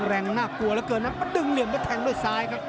แรงน่ากลัวแล้วเกินนะมาดึงเหลี่ยมกระแทงด้วยซ้ายครับ